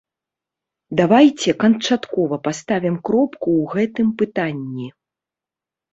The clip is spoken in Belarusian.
Давайце канчаткова паставім кропку ў гэтым пытанні.